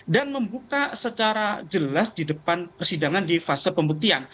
dan membuka secara jelas di depan persidangan di fase pembuktian